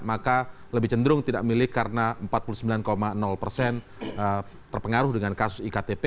maka lebih cenderung tidak milih karena empat puluh sembilan persen terpengaruh dengan kasus iktp